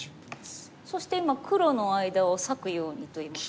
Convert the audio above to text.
そして今黒の間を裂くようにといいますか。